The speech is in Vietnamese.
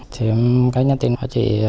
thì cái nhóm tiền của chị